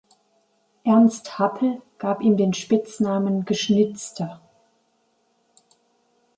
Ernst Happel gab ihm den Spitznamen "„Geschnitzter“".